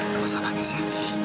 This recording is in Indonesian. nggak usah nangis ya